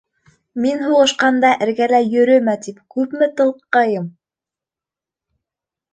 Мин һуғышҡанда эргәлә йөрөмә тип күпме тылҡыйым?!